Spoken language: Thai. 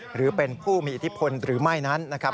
หรือเป็นผู้มีอิทธิพลหรือไม่นั้นนะครับ